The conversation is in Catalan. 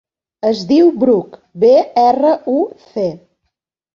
Es diu Bruc: be, erra, u, ce.